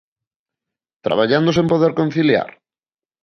¿Traballando sen poder conciliar?